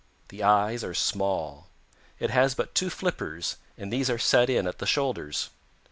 The eyes are small. It has but two flippers, and these are set in at the shoulders.